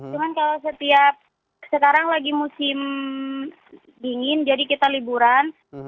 cuman kalau setiap sekarang lagi musim dingin jadi kita liburan